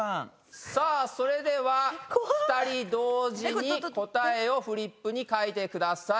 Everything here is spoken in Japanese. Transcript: それでは２人同時に答えをフリップに書いてください。